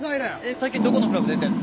最近どこのクラブ出てんの？